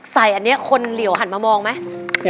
ใส่อันนี้คนเหลี่ยวหันมามองไหม